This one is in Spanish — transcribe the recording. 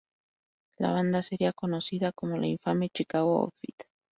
La banda sería conocida como la infame "Chicago Outfit".